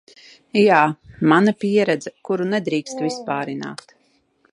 Jā, mana pieredze, kuru nedrīkst vispārināt